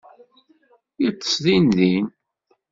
Yeṭṭes din din.